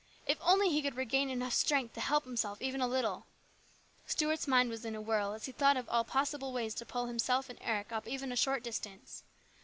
If only he could regain enough strength to help himself even a little ! Stuart's mind was in a whirl as he thought of all possible ways to pull himself and Eric up even a short distance.